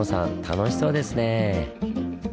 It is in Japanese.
楽しそうですね！